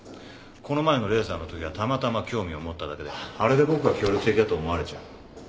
この前のレーザーのときはたまたま興味を持っただけであれで僕が協力的だと思われちゃ。